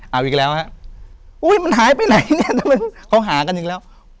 เอาอีกแล้วฮะอุ้ยมันหายไปไหนเนี่ยทำไมเขาหากันอีกแล้ว